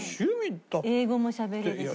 英語もしゃべれるし。